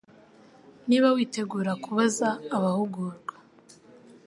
Niba witegura kubaza abahugurwa